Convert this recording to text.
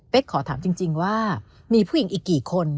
เป๊กขอถามจริงจริงว่ามีผู้หญิงอีกกี่คน